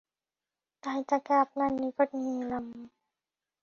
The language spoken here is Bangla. তাই তাকে আপনার নিকট নিয়ে এলাম।